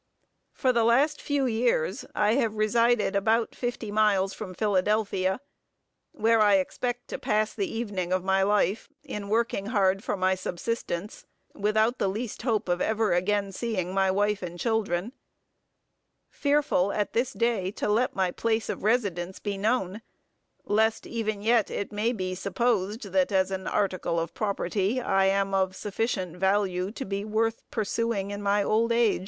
For the last few years, I have resided about fifty miles from Philadelphia, where I expect to pass the evening of my life, in working hard for my subsistence, without the least hope of ever again seeing my wife and children; fearful, at this day, to let my place of residence be known, lest even yet it may be supposed, that as an article of property, I am of sufficient value to be worth pursuing in my old age.